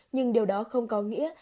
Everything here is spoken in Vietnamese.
nhưng điều đó không có nghĩa